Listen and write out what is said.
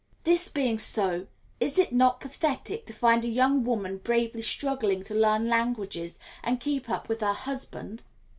This being so, is it not pathetic to find a young woman bravely struggling to learn languages and keep up with her husband?